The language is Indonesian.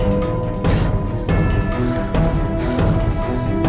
boleh ayah apes